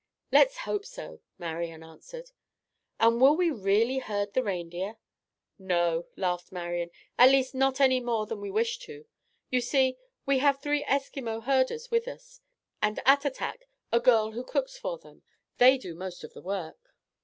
"Let's hope so," Marian answered. "And will we really herd the reindeer?" "No," laughed Marian, "at least not any more than we wish to. You see, we have three Eskimo herders with us, and Attatak, a girl who cooks for them. They do most of the work.